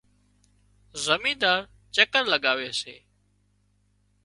زمينۮار چڪر لڳاوي سي